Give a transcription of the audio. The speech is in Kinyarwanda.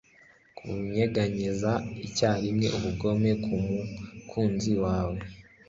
Kunyeganyeza icyarimwe ubugome kumukunzi wawe